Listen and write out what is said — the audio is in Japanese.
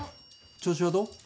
調子はどう？